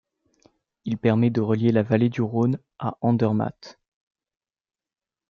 Il permet de relier la vallée du Rhône à Andermatt.